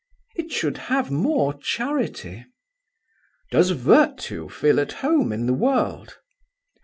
"It should have more charity." "Does virtue feel at home in the world?"